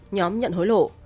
nhóm nhận hối lộ